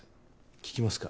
聞きますか？